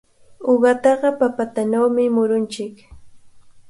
Uqataqa papatanawmi murunchik.